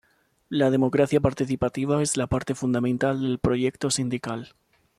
La democracia participativa es la parte fundamental del proyecto sindical.